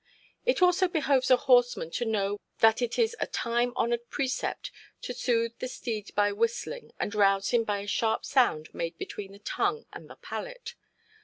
"It also behoves a horseman to know that it is a time–honoured precept to soothe the steed by whistling, and rouse him by a sharp sound made between the tongue and the palate".